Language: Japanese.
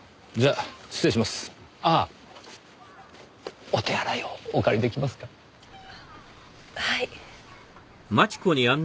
ああお手洗いをお借り出来ますか？はい。